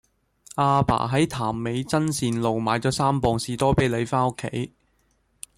亞爸喺潭尾真善路買左三磅士多啤梨返屋企